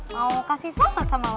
mau kasih selamat sama lo